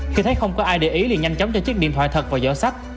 khi thấy không có ai để ý thì nhanh chóng cho chiếc điện thoại thật vào giỏ sách